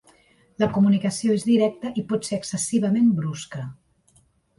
La comunicació és directa i pot ser excessivament brusca.